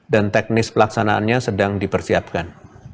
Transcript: dan teknis pelaksanaannya sedang dipersiapkan